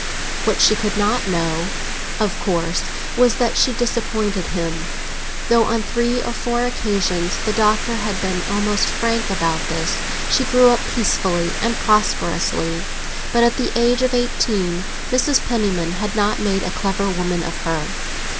What she could not know, of course, was that she disappointed him, though on three or four occasions the Doctor had been almost frank about it. She grew up peacefully and prosperously, but at the age of eighteen Mrs. Penniman had not made a clever woman of her.